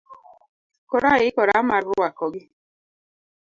Koro aikora mar rwakogi